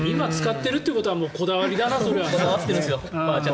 そうだな今、使っているということはこだわりかな、それは。